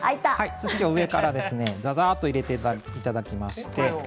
土を、ざざっと入れていただきまして。